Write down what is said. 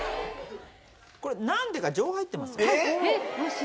これなんでか情報入ってるんです？